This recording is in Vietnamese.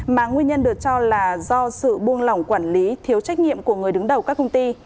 mà nguyên nhân được cho là do sự buông lỏng quản lý thiếu trách nhiệm của người đứng đầu các công ty